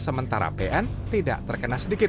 sementara pn tidak terkena sedikit